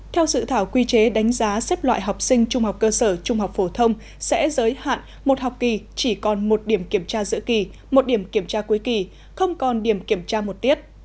theo dự thảo quy chế đánh giá xếp loại học sinh trung học cơ sở trung học phổ thông sẽ giới hạn một học kỳ chỉ còn một điểm kiểm tra giữa kỳ một điểm kiểm tra cuối kỳ không còn điểm kiểm tra một tiết